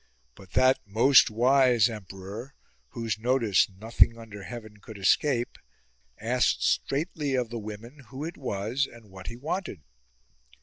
But that most wise emperor, whose notice nothing under heaven could escape, asked straitly of the women who it was and what he wanted.